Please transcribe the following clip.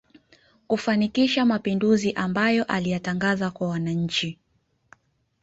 Kufanikisha mapinduzi amabayo aliyatangaza kwa wananchi